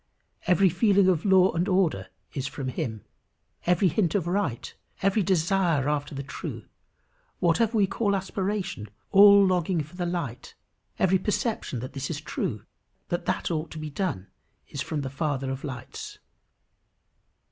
Every feeling of law and order is from him. Every hint of right, every desire after the true, whatever we call aspiration, all longing for the light, every perception that this is true, that that ought to be done, is from the Father of lights.